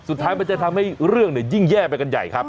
สุดท้ายมันจะทำให้เรื่องยิ่งแย่ไปกันใหญ่ครับ